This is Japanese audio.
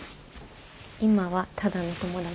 今はただの友達。